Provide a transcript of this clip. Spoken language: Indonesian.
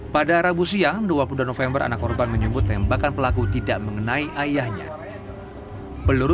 pada rabu siang dua puluh dua november anak korban menyebut tembakan pelaku tidak mengenai ayahnya peluru